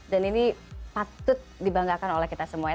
dan ini patut dibanggakan oleh kita semua ya